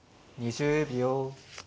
２０秒。